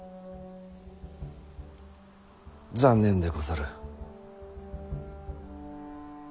残念でござる。